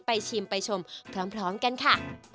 ชิมไปชมพร้อมกันค่ะ